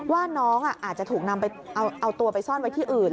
ว่าน้องอาจจะถูกนำไปเอาตัวไปซ่อนไว้ที่อื่น